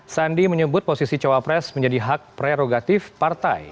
sandi menyebut posisi cawa pres menjadi hak prerogatif partai